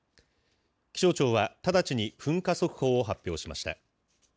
気象庁は直ちに噴火速報を発表しました。